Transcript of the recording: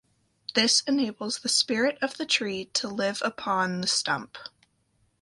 This enables the spirit of the tree to live upon the stump.